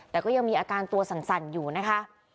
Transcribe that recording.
แต่ก็ยังมีอาการตัวสั่นอยู่นะคะ